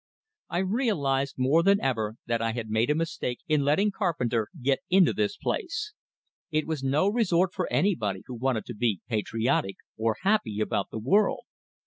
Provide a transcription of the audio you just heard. I realized more than ever that I had made a mistake in letting Carpenter get into this place. It was no resort for anybody who wanted to be patriotic, or happy about the world.